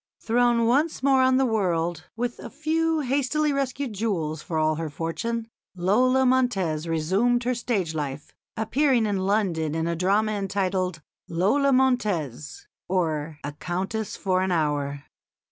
Thrown once more on the world, with a few hastily rescued jewels for all her fortune, Lola Montez resumed her stage life, appearing in London in a drama entitled "Lola Montez: or a Countess for an Hour."